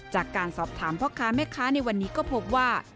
จากการสอบถามพ่อค้าแม่ค้าในวันนี้ก็พบว่า